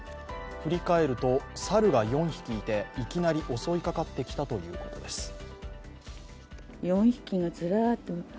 振り返ると、猿が４匹いていきなり襲いかかってきたということです。